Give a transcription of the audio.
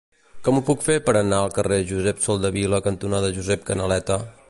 Com ho puc fer per anar al carrer Josep Soldevila cantonada Josep Canaleta?